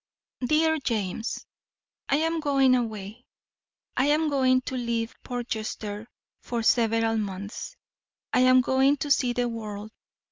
DEAR JAMES: I am going away. I am going to leave Portchester for several months. I am going to see the world.